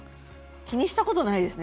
気にしたことないですね